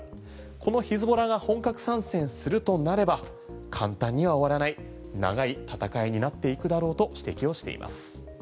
このヒズボラが本格参戦するとなれば簡単には終わらない長い戦いになっていくだろうと指摘をしています。